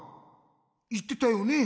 いってたよね？